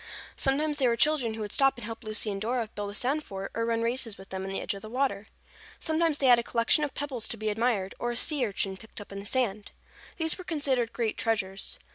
Sometimes they were children who would stop and help Lucy and Dora build a sand fort or run races with them in the edge of the water. Sometimes they had a collection of pebbles to be admired, or a sea urchin picked up in the sand. These were considered great treasures.